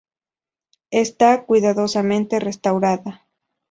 Está cuidadosamente restaurada.